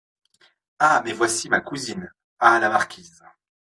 Ah ! mais voici ma cousine À la marquise.